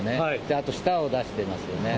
あと、舌を出していますよね。